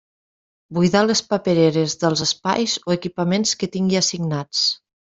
Buidar les papereres dels espais o equipaments que tingui assignats.